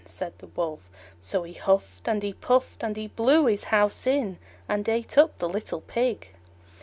said the Wolf. So he huffed and he puffed, and he blew his house in, and ate up the little Pig.